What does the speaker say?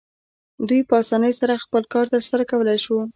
دوی په اسانۍ سره خپل کار ترسره کولی شو.